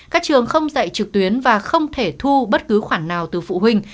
các trường không dạy trực tuyến và không thể thu bất cứ khoản nào từ phụ huynh